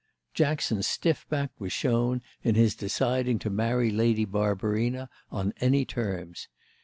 Jackson's stiff back was shown in his deciding to marry Lady Barbarina on any terms.